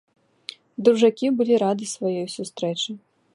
Дружакі былі рады сваёй сустрэчы.